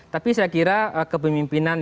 tapi saya kira kepemimpinan